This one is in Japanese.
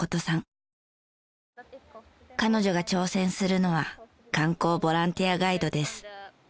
彼女が挑戦するのは観光ボランティアガイドです。